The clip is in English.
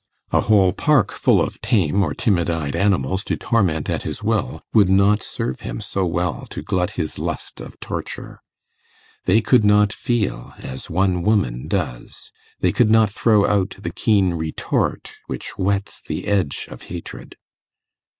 A whole park full of tame or timid eyed animals to torment at his will would not serve him so well to glut his lust of torture; they could not feel as one woman does; they could not throw out the keen retort which whets the edge of hatred.